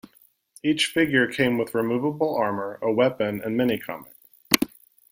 Each figure came with removable armor, a weapon and mini-comic.